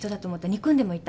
憎んでもいた。